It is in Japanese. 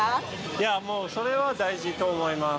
いやもう、それは大事と思います。